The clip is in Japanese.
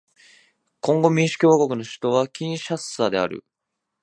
コンゴ民主共和国の首都はキンシャサである